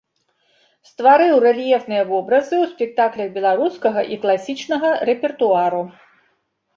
Стварыў рэльефныя вобразы ў спектаклях беларускага і класічнага рэпертуару.